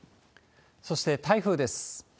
そして台風です。